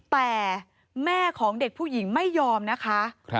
แต่แม่ของเด็กผู้หญิงไม่ยอมนะคะ